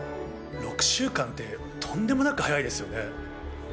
６週間って、とんでもなく早いですよね。